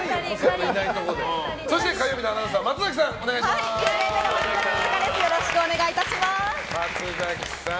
火曜日のアナウンサー松崎さん、お願いします。